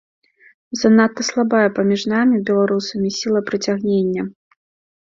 Занадта слабая паміж намі, беларусамі, сіла прыцягнення.